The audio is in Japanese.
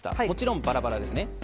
もちろんバラバラですね。